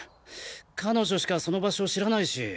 彼女しかその場所知らないし。